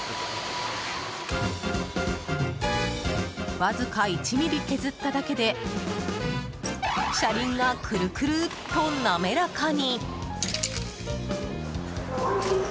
わずか１ｍｍ削っただけで車輪がクルクルと滑らかに。